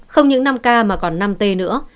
không những năm k mà còn năm t nữa